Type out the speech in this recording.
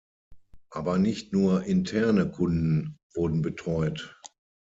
Aber nicht nur "interne" Kunden wurden betreut.